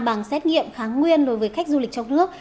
bằng xét nghiệm kháng nguyên đối với khách du lịch trong nước